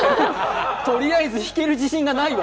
とりあえず弾ける自信がないな。